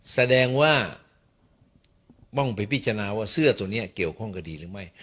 แสดงว่าต้องไปพิจารณาว่าเสื้อตัวนี้เกี่ยวข้องกับดีหรือไม่